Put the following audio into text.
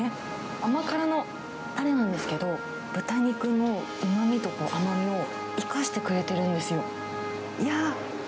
甘辛のたれなんですけど、豚肉のうまみと甘みを生かしてくれてるんですよ。